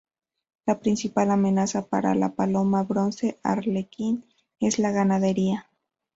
La principal amenaza para la paloma bronce arlequín es la ganadería.